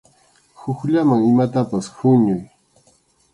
Hukllaman imatapas huñuy.